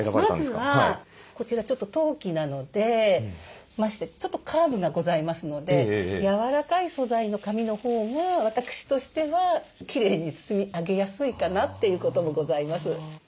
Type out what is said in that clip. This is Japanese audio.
まずはこちらちょっと陶器なのでましてちょっとカーブがございますので柔らかい素材の紙のほうが私としてはきれいに包み上げやすいかなということもございます。